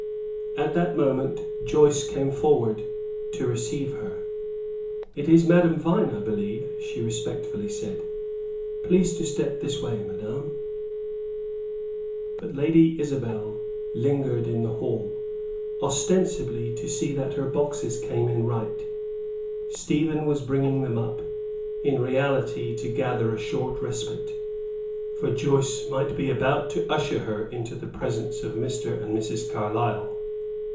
At that moment Joyce came forward to receive her. "It is Madame Vine, I believe," she respectfully said. "Please to step this way, madame." But Lady Isabel lingered in the hall, ostensibly to see that her boxes came in right Stephen was bringing them up in reality to gather a short respite, for Joyce might be about to usher her into the presence of Mr. and Mrs. Carlyle.